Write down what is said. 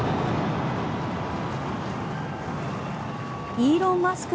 イーロン・マスク